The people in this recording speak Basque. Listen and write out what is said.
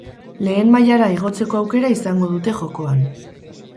Lehen mailara igotzeko aukera izango dute jokoan.